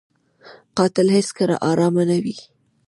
قاتل هېڅکله ارامه نه وي